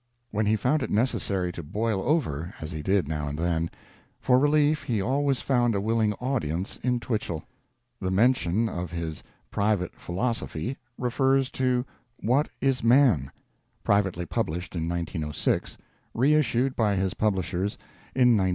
When he found it necessary to boil over, as he did, now and then, far relief, he always found a willing audience in TwicheQ. The mention of his ''Private Philosophy" refers to WluU Is Mamf, privately published in 1906; reissued by his publishers in 1916.